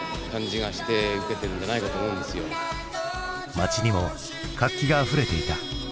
街にも活気があふれていた。